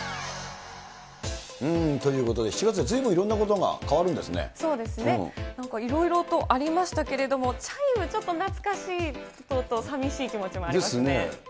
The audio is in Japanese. ということで、７月はずいぶそうですね、なんかいろいろとありましたけれども、チャイム、ちょっと懐かしいのと、さみしい気持ちもありますね。ですね。